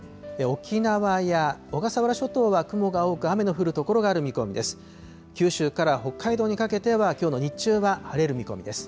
沖縄や小笠原諸島は雲が多く、雨の降る所がある見込みです。